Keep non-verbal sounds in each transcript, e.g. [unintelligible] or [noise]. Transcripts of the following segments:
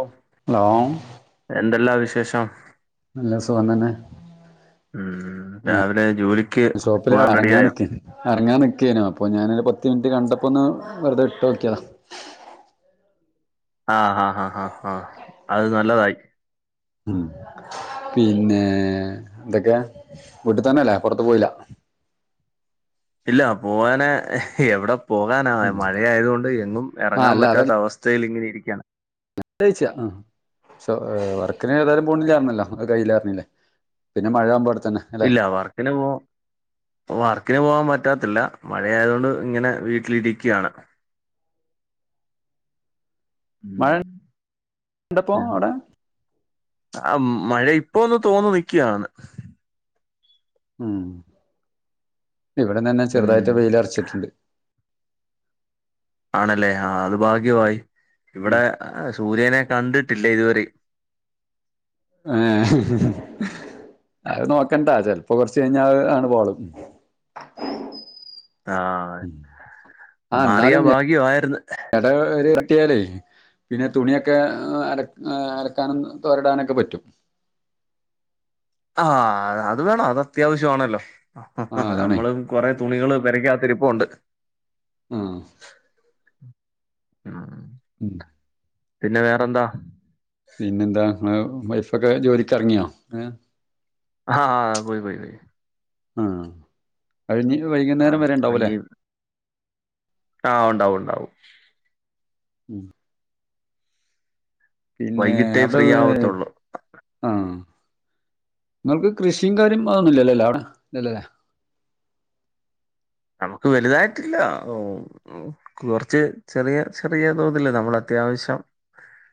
Of hello? എന്തല്ലാ വിശേഷം. നല്ല സുഖം തന്നെ. ഉം രാവിലെ ജോലി ഷോപ്പില ഇറങ്ങാനിക്ക. ഇറങ്ങാൻ നിക്കേനു. അപ്പൊ ഞാനൊരു പത്ത് മിനിറ്റ് കണ്ടപ്പോന്ന് വെറുതെ ഇട്ട് നോക്കിയതാ. ആ ഹാ ഹാ ഹാ ആ അത് നല്ലതായി. ഉ പിന്നെ എന്തൊക്കെ വീട്ടി തന്നെല്ലേ പുറത്ത് പോയില്ല. ഇല്ല പോവാന എവിടെ പോകാനാ ഉം. മഴയതുക കൊണ്ട്. എങ്ങും ആ ഇറങ്ങാൻ അല്ല പറ്റാത്ത അവസ്ഥ. സ്ഥയിൽ ഇങ്ങനെ ഇരിക്കയാണ്. ഫുഡ് കഴിച്ച ആ സ ഉം. വർക്കിന് ഏതാലും പോണില്ലായിരുന്നല്ലോ. കയ്യിയിലായിറുന്നില്ലേ പിന്നെ മഴ ആവുമ്പോ അവിടെത്തന്നെ. ഇല്ല വർക്കിനെ പോ വർക്കിന് പോകൻ പറ്റാത്തില്ല മഴയത് കൊണ്ട്. ഇങ്ങനെ വീട്ടിലിരിക്കുകയാണ്. മഴ ഇണ്ടപ്പോ അവിടെ? ആ മഴ ഇപ്പ ഒന്ന് തോന്നു നിക്കുകാണ്. ഉം ഇവിടെ തന്നെ ചെറുതായിട്ട് വെയില്റച്ചിട്ടുണ്ട്. ആണല്ലേ ആ അത് ഭാഗ്യമായി ഉം. ഇവിടെ സൂര്യനെ കണ്ടിട്ടില്ലേ ഇതുവരിം. ആ അത് നോക്കണ്ടാ ചെിലപ്പോ കുറച്ച് കഴിഞ്ഞാൽ ആണ് പോളും. ആഹ ഉം. മാറിയാ ഭാഗ്യ ആയിരുന്നു. ഇ ഒരു [unintelligible] യാലേ പിന്നെ തുണിയൊക്കെ അല അലക്കാനും തുരടാനൊക്കെ പറ്റും. ആഹ അത് വേണം അത് അത്യാവശ്യമാണല്ലോ. ആ ആആ അതാണേ നമ്മള് കുറേ തുണികള് പോരക്കാത്തിരിപ്പ് ഉണ്ട്. ആഹ [inaudible] [inaudible] പിന്നെ വേറെന്താ? പിന്നെന്താ നിങ്ങടെ വൈഫൊക്കെ ജോലിക്ക്റങ്ങിയോ? ആഹേ. ആഹാ പോയി പോയി... ! ആഹാ കഴിഞ്ഞ് ആ വൈകുന്നേരം വരെ ഉണ്ടാവും അല്ലേ? ആഹാ ഉണ്ടാവും ഉണ്ടാവും. ഉം.. ! പിന്നെ... വൈകിട്ടേ ഫ്രീ അവിടെ- ആവത്തുള്ളൂ ആഹാ നിങ്ങൾക്ക് കൃഷിയും, കാര്യംന്നും അതൊന്നും ഇല്ലാലോ അല്ലേ അവിടെ? ഇല്ലല്ല അല്ലേ.. ! നമുക്ക് വലുതായിട്ടില്ല. കുറച്ച് ചെറിയ ചെറിയ തോതില് നമ്മള് അത്യാവശ്യം-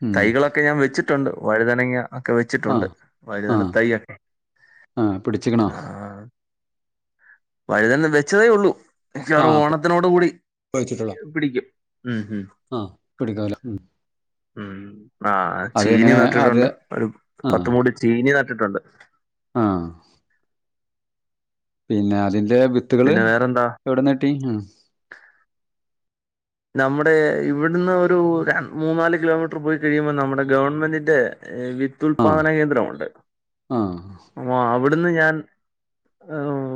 ഉം തൈകളൊക്കെ ഞാൻ വെച്ചിട്ടുണ്ട് വഴുതനങ്ങ. ഒക്കെ ആ വെച്ചിട്ടുണ്ട് ആ വാഴുതനതയ്യൊക്കെ, ആ പിടിച്ചിക്കണോ ആഹാ... ! വഴുതന വെച്ചതേ ഉള്ളൂ. ആ മിക്കവാറും ഓണത്തിനോട് കൂടി പിടിക്കും, ഉം... ! ആഹാ പിടികോലോ ആഹാ.. ! ഉം ആഹാ ചീനി അത് നട്ടിട്ടുണ്ട്, ഒരു പത്തുമൂടി ചീനി നട്ടിട്ടുണ്ട്. ആഹാ... ! പിന്നെ അതിന്റെ വിത്തുകള് പിന്നെ വേറെന്താ എവിടെ ന്ന്കിട്ടി? നമ്മുടെ ഇവിടുന്ന് ഒരു മൂന്നാല്- കിലോമീറ്റർ പോയി കഴിയുമ്പോൾ നമ്മുടെ ഗവൺമെന്റിന്റെ- വിദുത്പാദന കേന്ദ്രമുണ്ട്. ആഹാ... ! ആഹാ അവിടുന്ന് ഞാൻ-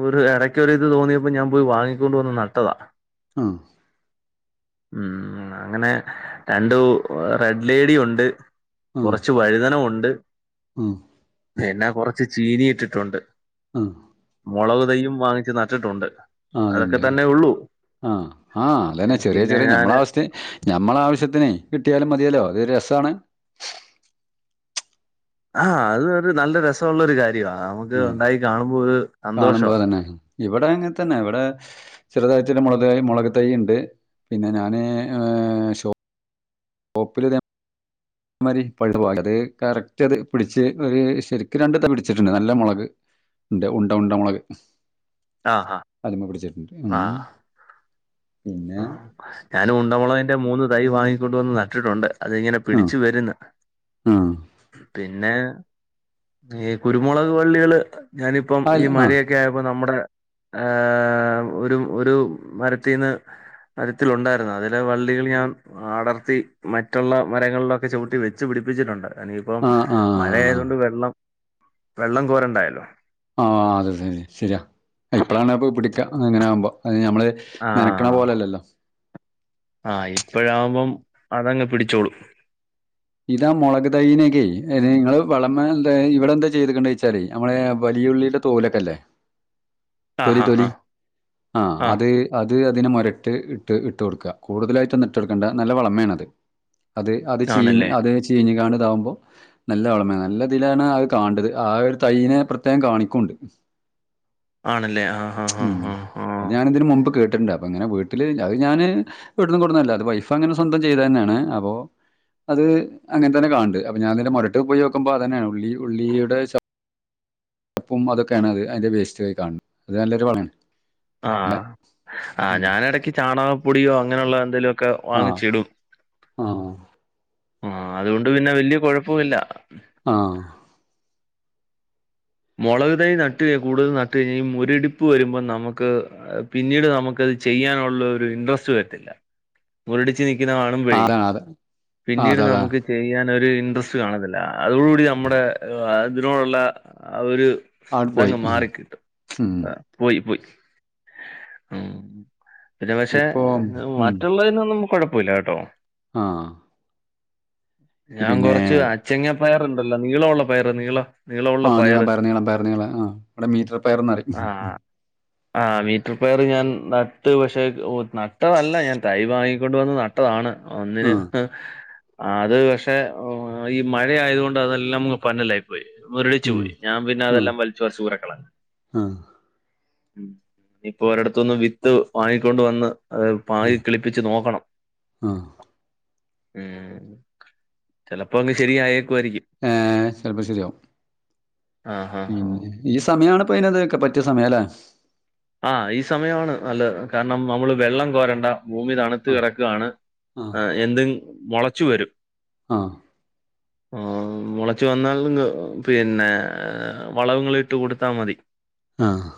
ഒരു ഇടയ്ക്കൊര് ഇത്- തോന്നിയപ്പോ ഞാൻ പോയി വാങ്ങിക്കൊണ്ട് വന്ന് നട്ടതാ. ആഹാ... ! ഉം അങ്ങനെ രണ്ടു റെഡ് ലേഡിയോ ഉണ്ട്, ആ കുറച്ച് വഴുതന ഉണ്ട് ആ പിന്നെ കൊറച്ച്- ചീനിയിട്ടിട്ടുണ്ട് ആ മുളക് തയ്യും വാങ്ങിച്ച് നട്ടിട്ടുണ്ട്. ആഹാ അതൊക്കെ അതന്നെ തന്നെ ഉള്ളൂ ആഹാ ആഹാ അതന്നെ ഏഹ്, ചെറിയ പിന്നെ ചെറിയ ഞാൻ ഞമ്മള അവസ്ഥ. ഞമ്മള ആവശ്യത്തിന് കിട്ടിയാലും മതിയല്ലോ അതോരസമാണ്. ആഹാ അത് ഒരു നല്ല രസമുള്ള ഒരു കാര്യമാ, നമുക്ക് ആഹ്. ഉണ്ടായി കാണുമ്പോ ഒരു സന്തോഷവാ. [inaudible] ഇവിടെ അങ്ങനെതന്നെ ഇവിടെ- ചെറുതായിട്ട് ഒരു മുളക് മുളക് തൈ ഉണ്ട്, പിന്നെ ഞാന് - [inaudible] അമാരി പഴു അത് കറക്റ്റ് അത് പിടിച്ച് ഒരു ശരിക്കും രണ്ട് [unintelligible] പിടിച്ചിട്ടുണ്ട് നല്ല. മുളക് ഉണ്ട ഉണ്ട ഉണ്ട മുളക്. ആഹാ.. ആഹാ... ! അതിമ പിടിച്ചിട്ടുണ്ട് ഉം പിന്നെ.. ! ഞാന് ഉണ്ടമുളകന്റെ മൂന്ന് തൈ- വാങ്ങിക്കൊണ്ടുവന്ന് നട്ടിട്ടുണ്ട്. അതിങ്ങനെ ആ പിടിച്ചു വരുന്ന് ആ. പിന്നെ- ഈ കുരുമുളക് വള്ളികള് ഞാനിപ്പം അൽ ഈ ആ മഴയൊക്കെ- ഒക്കെ ആയപ്പോ നമ്മുടെ ആഹാ ഒരു ഒരു മരത്തിന്ന്- മരത്തില് ഉണ്ടായിരുന്നു, അതിലെ വള്ളികൾ ഞാൻ- പടർത്തി മറ്റുള്ള മരങ്ങളിലൊക്കെ ചവിട്ടി വെച്ച് പിടിപ്പിച്ചിട്ടുണ്ട്. നിയിപ്പം ആ ആ മഴ ആ. ആയതൊണ്ട് വെള്ളം വെള്ളം കോരണ്ടായോ? ആഹാ അത് ശരി ശരിയാ ഇപ്പ- ളാണ്പ്പോ പിടിക്ക, ഇങ്ങനെയാകുമ്പോ അത് ഞമ്മള്. ആഹാ നനക്കണ പോലെയല്ലല്ലോ. ആഹാ ഇപ്പഴാവുമ്പം അതങ്ങ് പിടിച്ചോളൂം. ഇതാ മുളക് തൈയനോക്കെ നിങ്ങള് വളമ എന്ത ഇവിടെ എന്താ ചെയ്ത്ക്ണ് ന്നേച്ചാല്, നമ്മളെ വലിയുള്ളിത്തേ- തോലോക്കല്ലേ - ആഹ് തൊലി, ഹാ ഹാ തൊലി ആഹാ ആഹ് അത് - അത് അതിന് മുരട്ട് ഇട്ട് ഇട്ട്ട്ക്ക കൂടുതലായിട്ടൊന്നും ഇട്ട്ടുക്കണ്ട നല്ല വളമേണത് അത് അത് ചീ ആണല്ലേ അത് ചീഞ്ഞ് കാണ്ട്താവുമ്പോ. നല്ല വളമേ നല്ല തിലാണ് അത് കണണ്ടത് ആ ഒരു തയ്യ്നെ പ്രത്യേകം കാണിക്കും. ആണല്ലേ ആ. ഞാാനതിന് മുമ്പ് കേട്ടിട്ടണ്ടാരുന്നു ഇങ്ങനെ വീട്ടില് അത് ഞാന്. വടുംന്നുംകൊടന്നല്ല അത് വൈഫ് അങ്ങനെ സ്വന്തം ചെയ്തന്നെയാണ് അപ്പൊ. അത് അങ്ങനെ തന്നെ കാണണ ഞാനയിന്റെ മുരട്ടിൽ പോയക്കുമ്പോ അതന്നെണ് ഉള്ളിയുടെ. [inaudible] മ്തൊക്കെയാണ് അതിൻന്റെ വേസ്റ്റ് വരുകഅ നല്ലൊരു വള് ആഹ ആ ഞാാനടക്ക് ചാണക പൊടിയോ അങ്ങനെയുള്ള എന്തേലൊക്കെ വാങ്ങിച്ചിടും. ആ. ആ അതുകൊണ്ട് പിന്നെ വല്ിയ കുഴപ്പവില്ല. ആഹ. മുളക്ു തൈ നട്ടുകഴ കൂടുതൽ നട്ട് കഴിഞ്ഞാഈ. ഒരടിപ്പ് വരുമ്പോ നമുക്ക് പിന്നീട് നമുക്കത് ചെയ്യാനുള്ള ഒരു ഇൻട്രസ്റ്റ് വരുന്നില്ല മൊട്ടി [unintelligible] തിങ്ങനെ കാണുമ്പഴേ അതാണ് അത ആഹ് പിന്നീട് അത അതാ നമുക്ക് [inaudible] ചെയ്യാൻര്ഇൻട്രസ്റ്റ് കാണത്തില്ല അതോടുകൂടി നമ്മുടെ അതിനോടുള്ള ആ ഒരു. അവിടെ പോയി ഇതങ് ഉം മാറിിക്കട്ടും ഉം പോയി പോയി. ന്നെ ഇപ്പൊ പഷെമറ്റുള്ളതിന്നൊന്നും കുഴപ്പല്ല കെട്ടോ. ആ. ഞാൻ കൊറച്ച് അച്ചങ്ങ പയറണ്ടല്ലോ നീളള്ള പയറ് നീള ളോ [inaudible] ആഹ് നീളം പയറ് നീളം പയറ് നീള ആ ഇവിടെ മീറ്റർ പയർന്നറി ആ [inaudible] ആ മീറ്റർ പയറ് ഞാൻ നട്ട് പക്ഷെ നട്ടതല്ല ഞാൻ തൈ വാങ്ങിക്കൊണ്ട് വന്ന് നട്ട് [inaudible] താണ് ഒന്നിന് ആഹ് [unintelligible] ആ അത് പഷെ ഈ മഴ ആയതുകൊണ്ട് അതെല്ലാം ന പഞ്ഞല്ലെ [inaudible] പോയ് മുരളടിച്ചു ഉം പോയി ഞാൻ പിന്നെ ആഹ് അതെല്ലാം വലിച്ചു റച്ച് കുറക്കണ് [unintelligible] ആഹ് ഇപ്പൊ ഒരിടത്തൊന്ന് വിത്ത് വാങ്ങിക്കൊണ്ട് വന്ന്. അത് പകി ആഹ് കിളിപ്പിിച്ചച്ച് നോക്കണം. ആഹ് ഉം ചിലപ്പോ അങ്ങ് ശരിയ ആയേക്കുയിരിക്കും. ഏ ചെല്പ ശരിയാവും. ആഹ് ആഹ് ആഹ് പിന്നെ ഈ സമയാണ്പ്പ അതിനത്ക്കെ പറ്റിയ സമയം ല്ലേ. ആഹ ഈ സമയമാണ് നല്ലത് കാരണം നമ്മള് വെള്ളം കോരണ്ട. ഭൂമി തണുത്ത ആഹ് കിടക്കയണ് ആഹ് എന്തും മുളച്ചു വരും. അ [inaudible] ആ ആഹ [unintelligible] മുളച്ചു വന്നാല്ങ്ക്പിന്നെ വളങ്ങളൾ ഇട്ട് കൊടുത്താ മതി. ആ അ [unintelligible]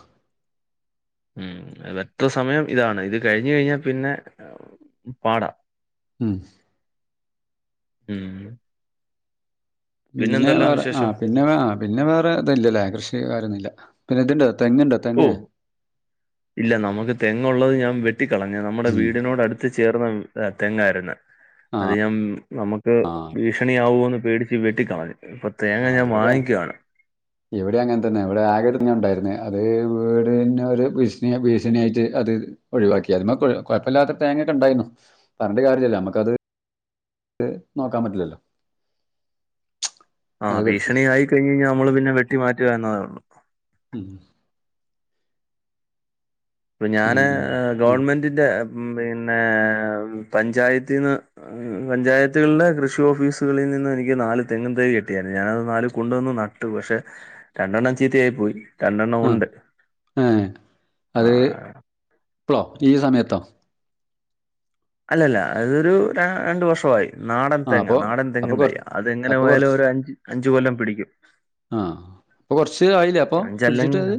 ഉം അതെത്ര സമയം ഇതാണ് ഇത് കഴിഞ്ഞു കഴിഞ്ഞാൽ പിന്നെ പാട. ഉം. ഉം. പിന്നെ പിന്നെന്തെല്ലാം വേറെ ആ വിശേഷം [unintelligible] പിന്നെ പിന്നെ വേറെ ഇത് ല്ലല്ലേ കൃഷിക്കാര്യംന്നും ഇല്ല പിന്നെ ഇതുണ്ടോ തെങ്ങുണ്ടോ. ഓ തെങ്ങ് ഇല്ല നമുക്ക് തെങ്ങുള്ളത് ഞാൻ വെട്ടിക്കളഞ്ഞ നമ്മുടെ ഉം വീടിനോട് അടുത്ത്. ചേർന്ന് തെങ്ങായിരുന്നു ആ അത് ഞാൻ നമുക്ക് ആ ഭീഷണിയവോന്ന് പേ [inaudible] വെട്ടിിക്കളഞ് പ [unintelligible] ആ എവിടെയാ. ഇവിടെ അങ്ങനെ തന്നെ ഇവിടെ ആക തന്നെ ഉണ്ടായിരുന്നു അത് വീടന് ഒരു ഭീഷണി ഭീഷണിആയിട്ട് അത്. ഒഴിവാക്കി അതിമ്മ കുഴ കുഴപ്പമില്ലാത്ത തേങ്ങ ഒക്കെണ്ടായിരുന്നു പറഞ്ഞിട്ട് കാര്യഇല്ലല്ലോ നമുക്കത്. ത് നോക്കാൻ പറ്റില്ലല്ലോ. ആ അത് വെട്ടി ഭീഷണിയയി കഴിഞ്കഴിഞ്ഞ നമ്മള് പിന്നെ വെട്ടിമാറ്റുക എന്നതേ ഉള്ളൂ. ഉം. ഇപ്പൊ ഞാന് പിന്നെ ഉം. ഗവൺമെന്റിന്റെ പിന്നെ പഞ്ചായത്തിന്ന് പഞ്ചായത്തുകളിലെ കൃഷി ഓഫീസുകളിൽ നിന്ന് എനിക്ക് നാല് തെങ്ങുംതൈ കിട്ടിയായിരുന്നു ഞാനത് നാല് കൊണ്ടുവന്ന് ന ട്ടു പക്ഷെ രണ്ടെണ്ണം ചീത്തയായി പോയി രണ്ടെണ്ണം ഒണ്ട് ആഹ് ആ ഇപ്പളോ ഈ സമയത്തോ? അല്ലല്ല അതൊരു ര രണ്ട് വർഷവായി. നാടൻ ആ തെങ്ങാ അപ്പോൾ നാടൻ അപ്പോൾ കുറച്ച് തെങ്ങിന്തൈയാ അത് എങ്ങനെ അപ്പോൾ പോയാലും ഒരു അഞ്ച് അഞ്ച്കൊല്ലം പിടിക്കും ആഹ് അപ്പൊ കൊറച്ച് ആയില്ലേ അപ്പൊ പിടിച്ചിട്ടത്. അഞ്ചല്ലെങ്കിലോ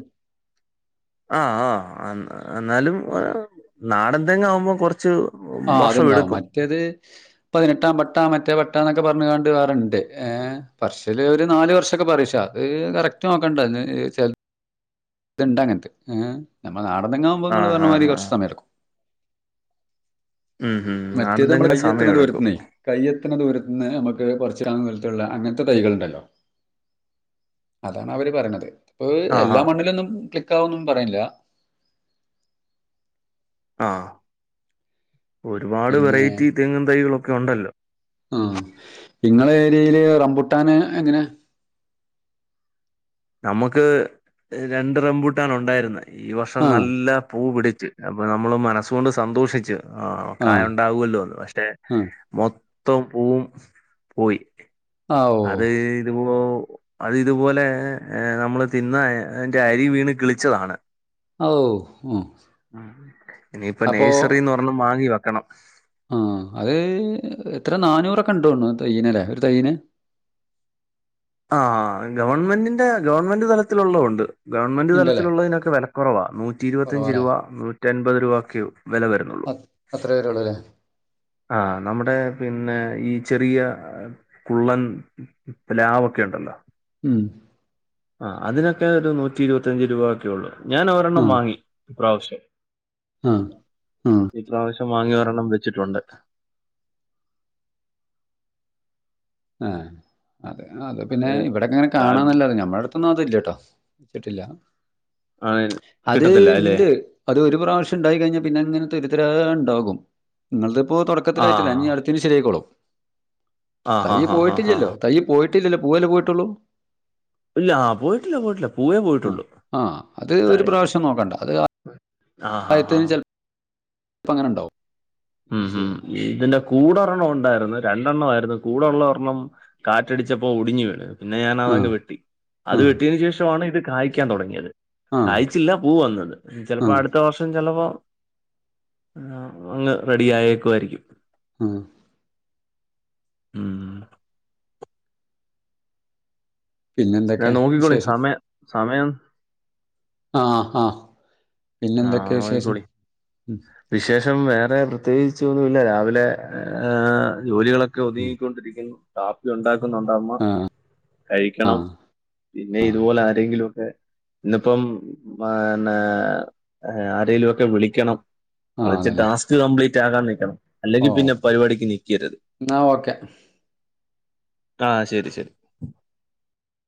ആഹ് ആഹ് എന്നാലും നാടൻതെങ്ങ് ആവുമ്പോ കുറച്ച് ആഹ് അത്ണ്ടാവും മറ്റേത് പതിനെട്ടാം പട്ട മറ്റേ പട്ടാ എന്നൊക്കെ പറഞ്ഞണ്ട് വേറണ്ട് ഏ പറശ്ശല് ഒരു നാല് വർഷമൊക്കെ പറയഷാ അത് കറക്റ്റ് നോക്കണ്ട ത് ചെ ഇത്ണ്ട അങ്ങനത്തെ ഏ നമ്മ നാടന്തെങ്ങാവുമ്പോങ്ങള് ആഹ് പറഞ്ഞ ആഹ് മാതിരി കുറച്ച് ആഹ് സമയെടുക്കും. ഉം ഉം മറ്റേത് നമ്മള് അതെന്തെങ്കിലും കൈ എത്തണ സമയം എടുക്കും ദുരത്തിന്നെ കയ്യെത്തണ ദൂരത്ത്ന്ന് നമുക്ക് കുറച്ചാവുന്ന തരത്തുള്ള അങ്ങനത്തെ തൈകള്ണ്ടല്ലോ അതാണ് അവര് പറയണത് ഇപ്പൊ ആഹ് എല്ലാ ആഹ് മണ്ണിലൊന്നും ക്ലിക്ക് ആന്നും പറയില്ല ആഹ് ഒരുപാട് പിന്നെ വെറൈറ്റി തെങ്ങും തൈകളൊക്കെ ഉണ്ടല്ലോ ആ ഇങ്ങളെ ഏരിയയില് റംമ്പുട്ടാന് എങ്ങനെയാ? നമ്മക്ക് രണ്ട് റംബൂട്ടാൻ ഒണ്ടായിരുന്ന് ഈ വർഷം ആഹ്, നല്ല പൂ പിടിച്ച് അപ്പൊ നമ്മള് മനസ്സുകൊണ്ട് സന്തോഷിച്ച് ആ കായ ആഹ്, ഒണ്ടാവല്ലോന്ന് പക്ഷെ ആഹ്. മൊത്തം പൂവും പോയി ആ ഓ, അത് ഇതി അത് ഇതുപോലെ നമ്മള് തിന്ന അതിന്റെ അരി വീണ് കിളിച്ചതാണ് ഓ ആഹ് ഉ ഇനിയിപ്പ നേഴ്സറിന്ന് ഒരെണ്ണം വാങ്ങി വെക്കണം. ആഹ് അത് എത്ര നാനൂറൊക്കെ ഉണ്ടോന്ന്ണ് തൈയ്യനല്ലേ ഒരു തയ്യീന്? ആഹ് ഗവൺമെന്റിന്റെ ഗവൺമെന്റ് തലത്തിലുള്ള ഒണ്ട് ഗവൺമെന്റ് ഇണ്ടല്ലേ? തലത്തിലുള്ളതിനൊക്കെ വിലക്കുറവാ നൂറ്റി ഇരുപത്തഞ്ച് കൊറവാല്ലേ? രൂപ നൂറ്റി അൻപത് രൂപക്കെ വില വരുന്നുള്ളൂ അ അത്ര വരുള്ളല്ലേ. ആഹ് നമ്മടെ പിന്നെ ഈ ചെറിയ കുള്ളൻ ഇ പ്ലാവ് ഒക്കെ ഉണ്ടല്ലോ ഉം ആ അതിനൊക്കെ ഒരു നൂറ്റി ഇരുപത്തിയഞ്ച് രൂപ ഒക്കെ ഉള്ളൂ, ഞാൻ ഒരെണ്ണം വാങ്ങി ഇപ്രാവശ്യം. ആഹ് ആഹ് ഇപ്രാവശ്യം വാങ്ങി ഒരെണ്ണം വെച്ചിട്ടുണ്ട് ആഹ് അതെ അതെ പിന്നെ ഏ, ഇവടിങ്ങനെ കാ കാണാന്നല്ലത് ഞമ്മടടു ന്നാതില്ലട്ടോ വച്ചിട്ടില്ല ആ, അത് കിട്ടത്തില്ല അല്ലേ ഇണ്ട് അത് ഒരു പ്രാവശ്യം ഇണ്ടായി കഴിഞ്ഞാ പിന്നെ ഇങ്ങനെ തുരുതുരാ ഇണ്ടാകും. നിങ്ങളതിപ്പോ തുടക്കത്തിലായിട്ടില്ല ആഹ് ഇനി അടു തെൻ ശെരിയായിക്കൊളും. ആഹ് തൈ ആഹ് ആഹ് ആഹ് പോയിട്ടില്ലല്ലോ ആഹ് തൈ പോയിട്ടില്ലല്ലോ പൂവേല്ലേ പോയിട്ടുള്ളൂ ഇല്ല ആ പോയിട്ടില്ല പോയിട്ടില്ല. പൂവേ പോയിട്ടുള്ളൂ ആ ആ അത് ഒരു താഴെ പ്രാവശ്യം നോക്കണ്ട അത് ആഹ് ആഹ് ആഹ്. അപ്പ അങ്ങന ഇണ്ടാവും ഉം പിന്നെ ഹം ശരിയാവും. ഇതിന്റെ കൂടൊർണ്ണം ഒണ്ടായിര്ന്ന് രണ്ടെണ്ണവാരുന്നു കൂടൊള്ളോർണ്ണം കാറ്റടിച്ചപ്പോ ഒടിഞ്ഞു വീണു പിന്നെ ഞാൻ ആ. അതങ്ങ് വെട്ടി അത് ആ. വെട്ടിയതിന് ശേഷമാണ് ഇത് കായ്ക്കാൻ തുടങ്ങിയത് ആ. കായിച്ചില്ല പൂ വന്നത് ആ. ചിലപ്പോ അടുത്ത അത്ത വർഷം ചിലപ്പോൾ അങ്ങ് റെഡി ആയേക്കുവായിരിക്കും. ആഹ് ഉം പിന്നെ ഞാൻ എന്തൊക്കെ നോക്കിക്കോളി വിശേഷം സമയം സമയം ആഹ്ആഹ്പിന്നെ ആ എന്തൊക്കെ വിശേഷം നോക്കിക്കോളി വിശേഷം വേറെ പ്രത്യേകിച്ച് ഒന്നുല്ല രാവിലെ ജോലികളൊ ക്കെ ഉം ഒതുങ്ങിക്കൊണ്ടിരിക്കുന്നു കാപ്പി ഉണ്ടാക്കുന്നുണ്ടമ്മ ആ ആ കഴിക്കണം പിന്നെ ആ ഇതുപോലെ ആരെങ്കിലും ഒക്കെ ഇന്ന്പ്പം മന്നേ ആരെലും ഒക്കെ വിളിക്കണം ആ ളിച്ച് അതന്നെ ടാസ്ക് കംപ്ലീറ്റ് ആകാൻ നിക്കണം ഓ അല്ലെങ്കി പിന്നെ പരിപാടിക്ക് നിക്കയരുത് എന്നാ ഓക്കെ ആ ശരി ശരി